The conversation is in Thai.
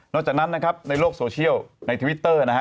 จากนั้นนะครับในโลกโซเชียลในทวิตเตอร์นะฮะ